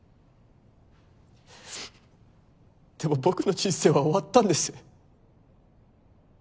でも僕の人生は終わったんです。